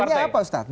dealnya apa ustadz